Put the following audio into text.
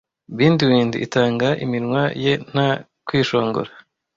bindweed itanga iminwa ye nta kwishongora